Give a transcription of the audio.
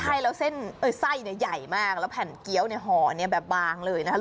ใช่แล้วเส้นไส้เนี่ยใหญ่มากแล้วแผ่นเกี้ยวเนี่ยห่อเนี่ยแบบบางเลยนะครับ